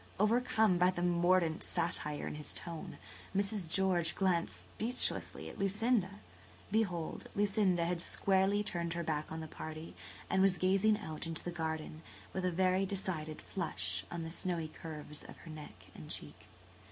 Overcome by the mordant satire in his tone, Mrs. George glanced speechlessly at Lucinda. Behold, Lucinda had squarely turned her back on the party and was gazing out into the garden, with a very decided flush on the snowy curves of her neck and cheek.